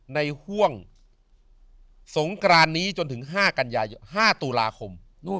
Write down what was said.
ห่วงสงกรานนี้จนถึง๕ตุลาคม